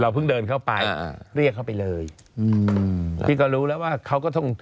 เพิ่งเดินเข้าไปอ่าเรียกเขาไปเลยอืมพี่ก็รู้แล้วว่าเขาก็ต้อง